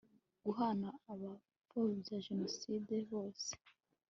guhana abapfobya jenoside bose